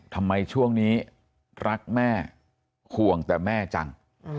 ทำไมช่วงนี้รักแม่ห่วงแต่แม่จัง